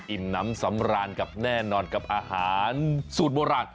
น้ำสำราญกับแน่นอนกับอาหารสูตรโบราณ